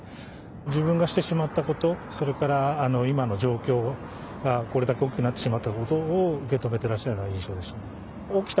自分がしてしまったこと、それから今の状況がこれだけ大きくなってしまったことを受け止めてらっしゃるような印象でした。